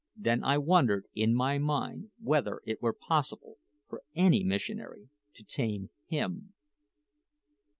Then I wondered in my mind whether it were possible for any missionary to tame him!